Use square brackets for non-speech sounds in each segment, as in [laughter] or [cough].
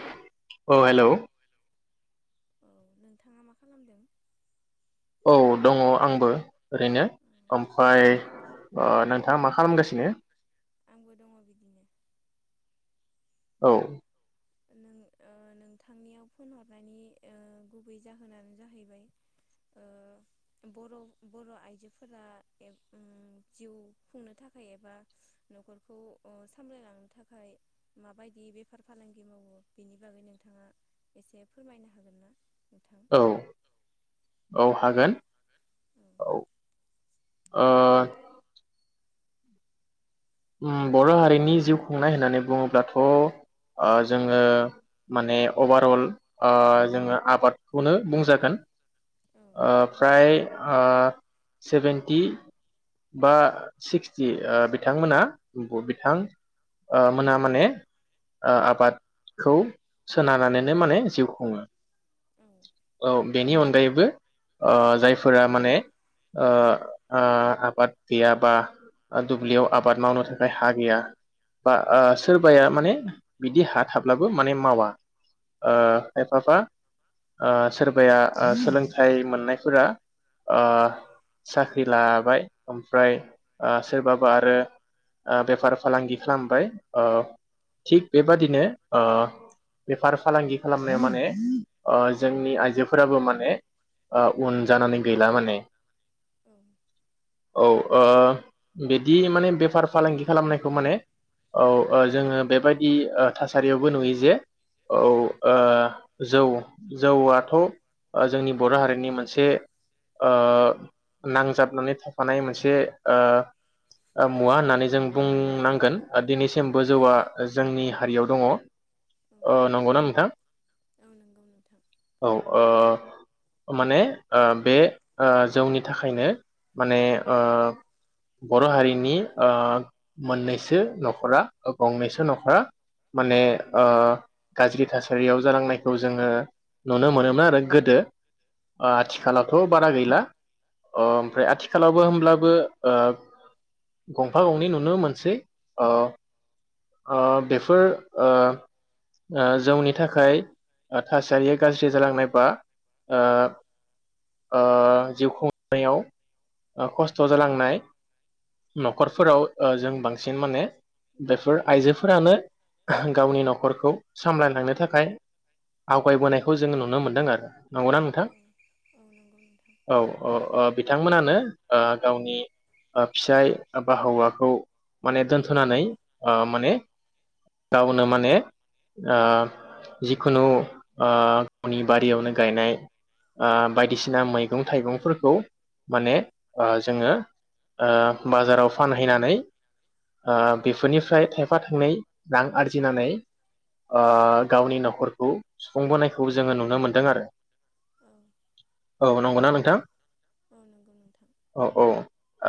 हेल' औ हेल' औ नोंथांङा मा खालामदों? औ दंङ आंबो। ओरैनो औ ओमफ्राय ओनोंथाङा मा खालामगासि नो [unintelligible] आंबो दङ बिदिनो। औ नों ओ नोंथांनियाव फन हरनायनि ओ गुबै जाहोनानो जाहैबाय। ओ बर' बर' आइजोफोरा एम उम जिउ खुंनो थाखाय एबा न'खरखौ ओ सामलायलांनो थाखाय माबायदि बेफार फालांगि मावो बेनि बागै नोंथाङा एसे फोरमायनो हागोन ना? नोंथां? औ औ हागोन औ ओ उम बर' हारिनि जिउ खुंनाय होननानै बुङोब्लाथ' ओजोङो माने अभारअल ओजोङो आबादखौनो बुंजागोन। औ ओफ्राय ओ सेभेेनटि बा सिक्सटि ओबिथांमोना नंगौ बिथां ओमोना माने ओआबादखौ सोनारनानैनो माने जिउ खुङो। औ औ बेनि अनगायैबो ओ जायफोरा माने ओ ओ आबाद गैया बा दुब्लियाव आबाद मावनो थाखाय हा गैया बा औ ओसोरबाया माने बिदि हा थाब्लाबो माने मावा। ओ खायफाबा ओ सोरबाया ओ सोलोंथाइ मोननायफोरा ओ साख्रि लाबाय ओमफ्राय ओ सोरबाबा आरो ओ बेफार फालांगि खालामबाय। ओ थिग बेबादिनो ओ। बेफार फालांगि खालामनायाव माने ओ जोंनि आइजोफोराबो माने ओ उन जानानै गैला माने। औ औ ओ बिदि माने बेफार फालांगि खालामनायखौ माने औ ओजोङो बेबायदि ओ थासारियावबो नुयो जे औ ओ जौ जौआथ' ओजोंनि बर' हारिनि मोनसे ओनांजाबनानै थाफानाय मोनसे ओमुवा होननानै। जों बुंनांगोन। औ दिनैसिमबो जौआ जोंनि हारियाव दङ। औ ओ नंगौना नोंथां औ नंगौ नोंथां औ ओ। माने ओ बे ओ जौनि थाखायनो माने ओ बर' हारिनि ओ मोननैसो न'खरा गंनैसो न'खरा माने ओ गाज्रि थासारियाव जालांनायखौ जोङो नुनो मोनोमोन आरो गोदो। औ ओआथिखलाथ' बारा गैला। ला अमफ्राय आथिखालावबो होमब्लाबो ओ गंफा गंनै नो मोनसे ओ ओ बेफोर ओ जौनि थाखाय थासारिया गाज्रि जालांनाय बा ओ ओ जिउ खुंनायाव खस्थ' जालांनाय न'खरफोराव ओ जों बांसिन माने बेफोर आइजोफोरानो गावनि न'खरखौ सामलायलांनो थाखाय आवगायबोनायखौ जोंङो नुनो मोनदों आरो। नंगौना नोंथां? औ औ नंगौ नोंथां औ औ ओबिथांमोनानो ओ गावनि ओ फिसाय एबा हौवा खौ माने दोनथनानै ओ माने गावनो माने ओ जिखुनु ओ गावनि बारियावनो गायनाय ओ बायदिसिना मैगं थाइगंफोरखौ माने ओ जोङो ओ बाजाराव फान हैनानै ओ बेफोरनिफ्राय थायफा थाइनै रां आरजिनानै ओ गावनि नखरखौ सुफुंबोनायखौ जोङो नुनो मोनदों आरो औ औ नंगौ ना नोंथां औ नंगौ नोंथां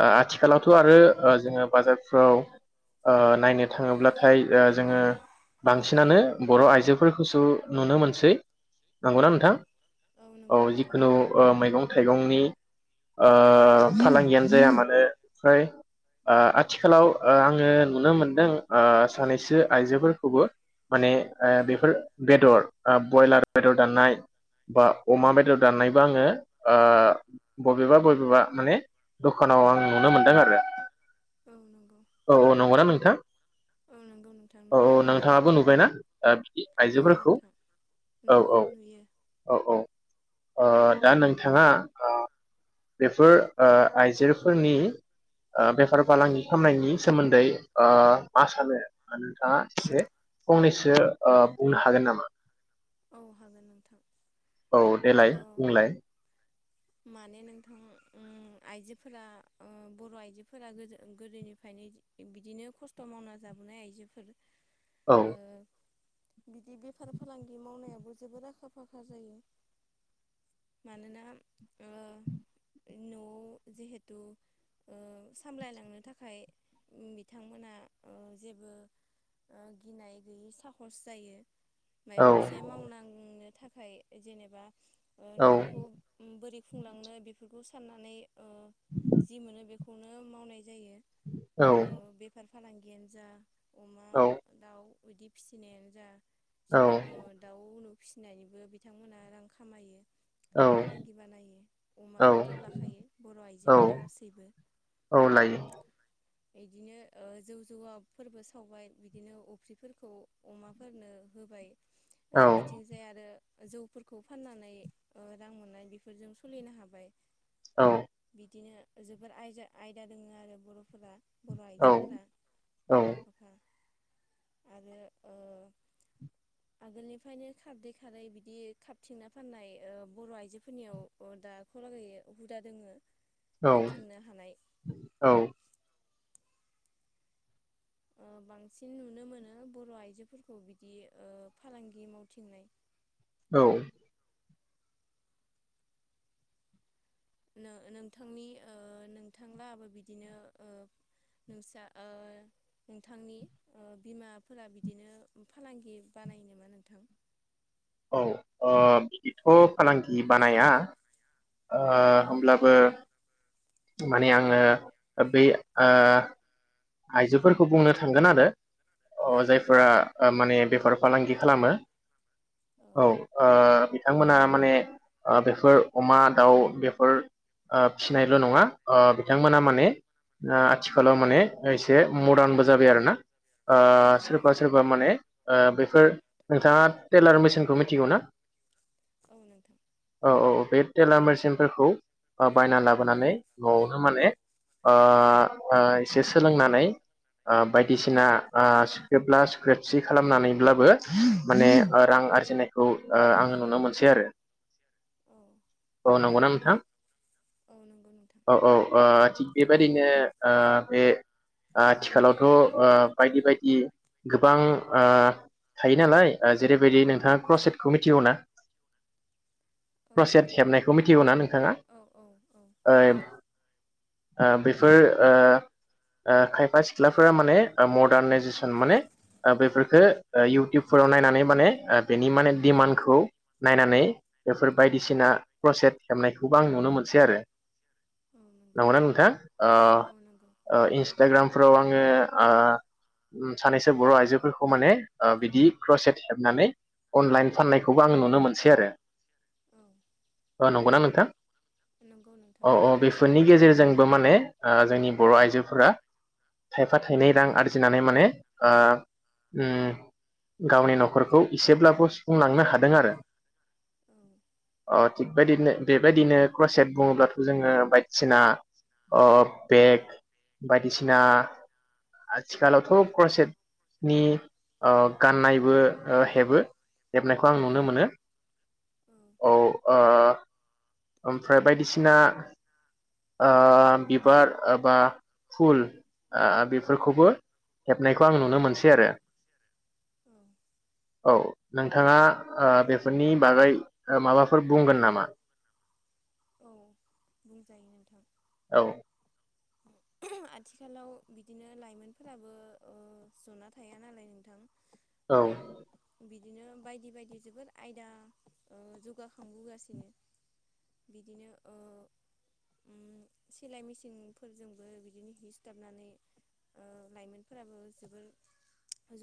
ओ आथिखालावथ आरो ओ जोङो बाजारफ्राव ओ नायनो थाङोब्लाथाय ओ जोङो बांसिनानो बर आइजोफोरखौ सो नुनो मोनसै औ नंगौना नोंथां औ नंगौ नोंथां जिखुनु नुयो ओ मैगं थाइगंनि ओ फालांगियानो जाया मानो ओमफ्राय ओ आथिखालाव ओ आङो नुनो मोनदों ओ सानैसो आइजोफोरखौबो माने ओ औ बेफोर बेदर ओ बयलार बेदर दाननाय बा अमा बेदर दाननायबो आङो ओ बबेबा बबेबा माने दखानाव आं नुनो मोनदों आरो औ नंगौ औ औ नंगौना नोंथां औ नंगौ नोंथां औ औ नुयो नोंथाङाबो नुबायना ओ बिदि नुयो आइजोफोरखौ नोंथां औ नोङो औ नुयो औ औ ओ दा नोंथाङा ओ बेफोर ओ आइजोफोरनि ओ बेफार फालांगि खालामनायनि सोमोन्दै ओ मा सानो नोंथाङा एसे फंनैसो ओ बुंनो हागोन नामा औ हागोन नोंथां औ देलाय औ बुंलाय माने नोंथां उम आइजोफोरा ओ बर आइजोफोरा गोदोनिफ्रायनो बिदिनो खस्थ मावना जाबोनाय आइजोफोर औ बिदि बेफार फालांगि मावनायावबो जोबोद आखा फाखा जायो मानोना ओ नआव जिहेथु ओ सामलायलांनो थाखाय बिथांमोना ओ जेबो ओ गिनाय गैयै साहस जायो औ मायबा मोनसे [unintelligible] थाखाय जेनेबा ओ औ नखरखौ उम बोरै खुंलांनो बेफोरखौ सा साननानै ओ जि मोनो बे खौनो मावनाय जायो ओ बेफार फालांगियानो जा अमा औ दाउ बिदि फिसिनायानो जा औ जिखुनु ओ दाउ [unintelligible] फिसिनायनिबो बिथांमोनहा रां खामायो औ फालांगि बानायो औ अमाखौथ लाखायो बर औ आइजोफोरा गासैबो औ लायो बिदिनो ओ जौ जौवाफोरबो सावबाय बिदिनो अफ्रिफोरखौ अमाफोरनो होबाय ओ औ बिथिंजाय आरो जौफोरखौ फाननानै ओ रां मोननाय बेफोरजों सोलिनो हाबाय। औ। बिदिनो जोबोर आयजा- आयदा दोङो आरो बर'फोरा। बर' औ आइजोफोरा औ आखा फाखा। आरो ओ आगोलनिफ्रायनो खारदै खारैबिदि खारथिंना फाननाय ओ बर' आइजोफोरनियाव ओ दाख लागै हुदा दोङो। औ फानथिंनो हानाय [inaudible] औ। ओ बांसिन नुनो मोनो बर' आइजोफोरखौ बिदि ओ फालांगि मावथिंनाय। औ। नो- नोंथांनि ओ नोंथां लाहाबो बिदिनो ओ नोंस्रा ओ नोंथांनि ओ बिमाफोरा बिदिनो फालांगि बानायो नामा नोंथां? औ ओ बिदिथ' फालांगि बानाया, ओ होमब्लाबो माने आङो बै ओ आइजोफोरखौ बुंनो थांगोन आरो। ओ औ जायफोरा नोंथां माने बेफार फालांगि खालामो। औ ओ। बिथांमोना माने ओ बेफोर अमा, दाउ बेफोर ओ फिसिनायल' नङा ओ बिथांमोना माने ओ आथिखालाव माने एसे मदार्नबो जाबाय आरो ना। ओ औ। सोरबा सोरबा माने ओ बेफोर नोंथाङा टेलार मेसिनखौ मिथिगौ ना? औ नोंथां [inaudible] औ औ बे टेलार मोरसिंफोरखौ बायना लाबोनानै न'आवनो माने ओ एसे सोलोंनानै ओ बायदिसिना ओ सुख्रेबला सुख्रेबसि खालामनानैब्लाबो माने ओ रां आरजिनायखौ आङो नुनो मोनसै आरो। औ [inaudible] आ नंगौना? थां औ नंगौ नोंथां। [inaudible] औ औ थि बे बेबायदिनो ओ बे ओ आथिखालावथ' ओ बायदि बायदि गोबां ओ थायो नालाय जेरैबायदि नोंथाङा क्रसेटखौ मिथिगौना? औ क्रसेट नोंथां हेबनायखौ मिथिगौ ना नोंथाङा? औ औ औ ओ बेफोर ओ। ओ खायफा सिख्लाफोरा माने मर्दार्नाइजेसन माने बेफोरफोरखौ इउटुबफोराव नायनानै माने बेनि माने डिमान्डखौ नायनानै बेफोर बायदिसिना क्रसेट हेबनायखौबो आं नुनो मोनसै आरो। औ नंगौ नंगौना नोंथा? ओ औ नंगौ ओ इस [unintelligible] फोराव आङो ओ सानैसो बर' आइजोफोरखौ माने बिदि क्रसेट हेबनानै अनलाइन फाननायखौबो आं नुनो मोनसै आरो। औ ओ नंगौना नोंथां? नंगौ नोंथां [inaudible] अ अ नुनो मोनसै बेफोरनि दानि जुगाव गेजेरजोंबो माने ओ जोंनि बर' आइजोफोरा थायफा थायनै रां आरजिनानै माने ओ उम गावनि न'खरखौ एसेब्लाबो सुफुंलांनो हादों आरो। औ [inaudible] अ थिगबायदिनो बेबायदिनो क्रस सेट बुङोब्लाथ' जोङो बाइक बिसिना अ बेग बायदिसिना आथिखालावथ' क्रसेटनि ओ गाननायबो हेबो हेबनायखौ आं औ नुनो मोनो औ ओ ओमफ्राय बायदिसिना ओ बिबार बा फुल बेफोरखौबो हेबनायखौ आं नुनो मोनसै आरो। औ औ नोंथाङा ओ बेफोरनि बागै माबाफोर बुंगोन नामा? औ बुंजायो नोंथां औ आथिखालाव बिदिनो लाइमोनफोराबो ओ जना थाया नालाय नोंथां ओ औ बिदिनो बायदि बायदि जोबोद आयदा ओ जौगाखांबोगासिनो बिदिनो ओ उ सिलाय मेसिनफोरजोंबो बिदिनो हि सुथाबनानै लाइमोनफोराबो जोबोर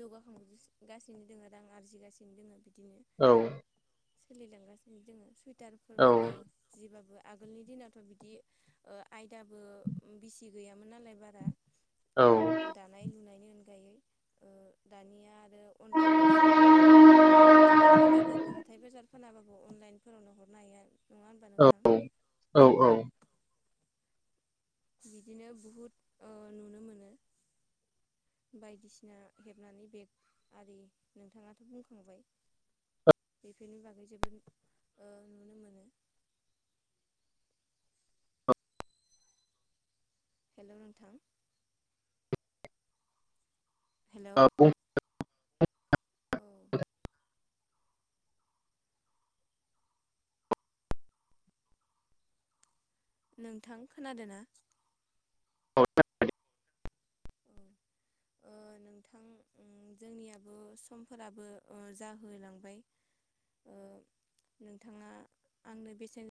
जौगाखांगासिनो दोङो रां आरजिगासिनो दङ बिदिनो औ सोलिलांगासिनो दोंओ सुइ औ हटारफोरबाबो जिबाबो आगोलनि दिनावथ बिदि ओ आयदाबो बिसि गैयामोन नालाय बारा औ दानाय लुनायनि अनगायै ओ दानिया आरो अनलाइननि जुग ओ बिदिनो फानाबाबो हाथाय बाजार फानाबाबो अनलाइनफोरावनो हरनो हायो नङा होनबा नोंथां औ औ औ बिदिनो बहुद ओ नुनो मोनो बायदिसिना हेबनानै बेग आरि नोंथाङाथ बुंखांबाय बेफोरनि बागै जोबोद ओ नुनो मोनो हेलौ नोंथां आ बुं औ नोंथां खोनादोना औ [inaudible] औ ओ नोंथां उम जोंनियाबो समफोराबो ओ जाहोलांबाय ओ नोंथाङा आंनो बेसेन